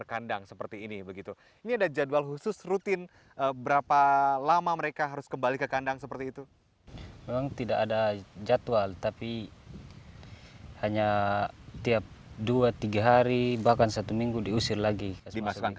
kuda persilangan dianggap lebih mumpuni dijadikan kuda pacu